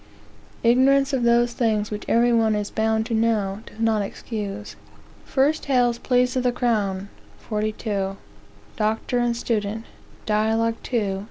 (Ignorance of those things which every one is bound to know, does not excuse.) 1 Hale's Pleas of the Crown, 42. Doctor and Student, Dialog. 2, ch.